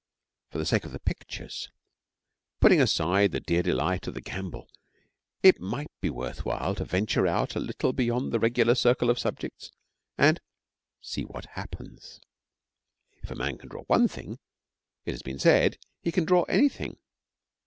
For the sake of the pictures, putting aside the dear delight of the gamble, it might be worth while to venture out a little beyond the regular circle of subjects and see what happens. If a man can draw one thing, it has been said, he can draw anything.